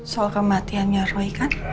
soal kematiannya roy kan